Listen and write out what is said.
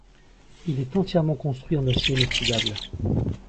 Il est entièrement construit en acier inoxydable.